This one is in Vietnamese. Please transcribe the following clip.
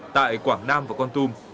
tại quảng nam và con tum